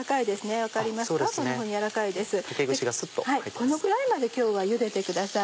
このぐらいまで今日はゆでてください。